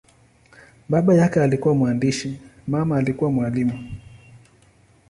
Baba yake alikuwa mwandishi, mama alikuwa mwalimu.